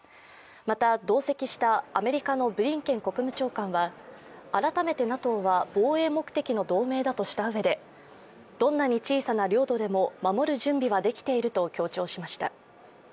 また、同席したアメリカのブリンケン国務長官は改めてＮＡＴＯは防衛目的の同盟だとしたうえでどんなに小さな領土でも守る準備はできていると強調しました。